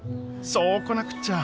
そうこなくっちゃ！